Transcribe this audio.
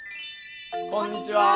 こんにちは。